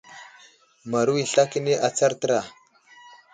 Maru i sla kəni atsar təra.